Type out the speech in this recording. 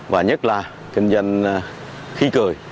và nhất là kinh doanh khí cười